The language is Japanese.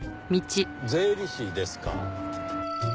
税理士ですか。